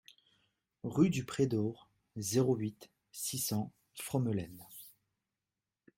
Rue du Pré d'Haurs, zéro huit, six cents Fromelennes